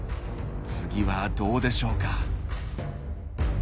次はどうでしょうか。